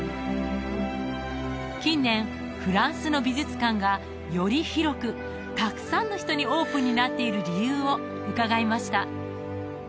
近年フランスの美術館がより広くたくさんの人にオープンになっている理由を伺いました